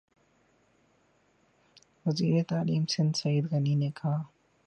وزیر تعلیم سندھ سعید غنی نےکہا